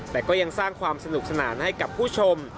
แต่ก็ยังสร้างความสนุกสนานให้กับผู้ชม